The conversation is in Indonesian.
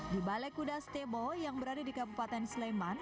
di balai kuda stebo yang berada di kabupaten sleman